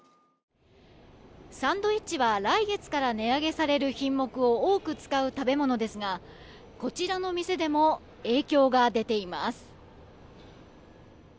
サンドイッチは来月から値上げされる品目を多く使う食べ物ですがこちらの店でも影響が出ています。